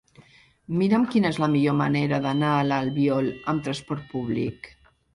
Mira'm quina és la millor manera d'anar a l'Albiol amb trasport públic.